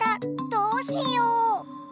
どうしよう！